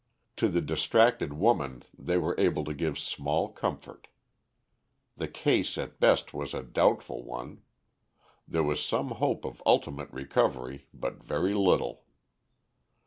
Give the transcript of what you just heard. To the distracted woman they were able to give small comfort. The case at best was a doubtful one. There was some hope of ultimate recovery, but very little.